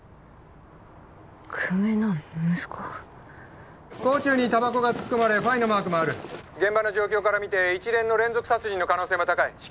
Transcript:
久米の息子口中にタバコが突っ込まれφのマークもある現場の状況から見て一連の連続殺人の可能性も高い至急